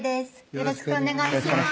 よろしくお願いします